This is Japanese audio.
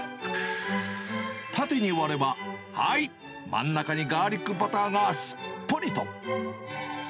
縦に割れば、はい、真ん中にガーリックバターがすっぽりと。